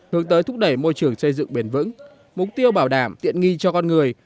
hướng tới thúc đẩy môi trường xây dựng bền vững mục tiêu bảo đảm tiện nghi cho con người